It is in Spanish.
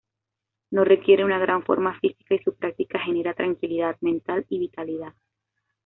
No requiere una gran forma física y su práctica genera tranquilidad mental y vitalidad.